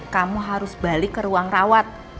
kamu harus balik ke ruang rawat